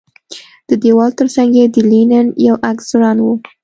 د دېوال ترڅنګ یې د لینن یو عکس ځوړند و